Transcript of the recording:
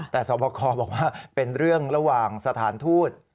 แต่สอบคอบอกว่าเป็นเรื่องระหว่างสถานทูต